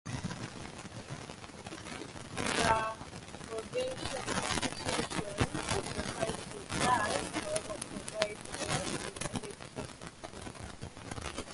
The provisional constitution of the country does, however, provide for an electoral system.